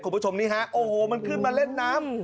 คุณผู้ชมนี่ฮะโอ้โหมันขึ้นมาเล่นน้ำ